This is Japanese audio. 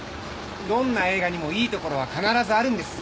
どんな映画にもいいところは必ずあるんです。